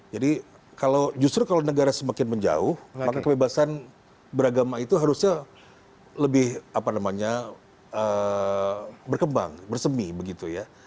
jadi justru kalau negara semakin menjauh maka kebebasan beragama itu harusnya lebih berkembang bersemih begitu ya